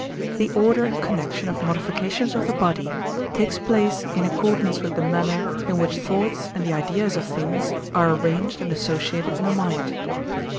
the order and connection of modifications of the body takes place in accordance with the manner, in which thoughts and the ideas of things are arranged and associated in the mind.